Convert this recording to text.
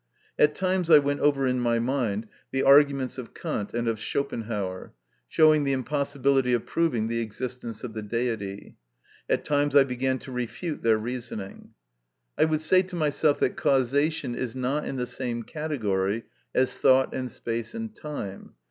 At times I went over in my mind the 110 MY CONFESSION. arguments of Kant and of Schopenhauer, showing the impossibility of proving the existence of the Deity ; at times I began to refute their reasoning. I would say to myself that causation is not in the same category as thought and space and time.